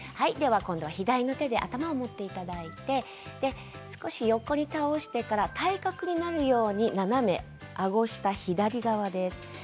左の手で頭を持っていただいて少し横に倒してから対角になるように斜めあご下、左側です。